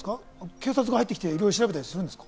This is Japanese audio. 警察が入ってきて調べたりするんですか？